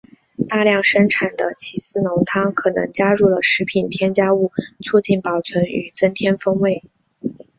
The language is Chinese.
大量生产的起司浓汤可能加入了食品添加物促进保存与增添风味。